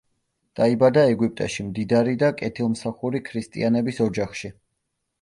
დაიბადა ეგვიპტეში, მდიდარი და კეთილმსახური ქრისტიანების ოჯახში.